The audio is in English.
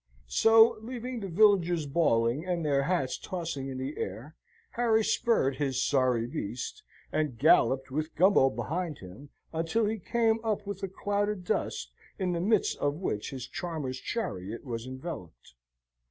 So, leaving the villagers bawling, and their hats tossing in the air, Harry spurred his sorry beast, and galloped, with Gumbo behind him, until he came up with the cloud of dust in the midst of which his charmer's chariot was enveloped.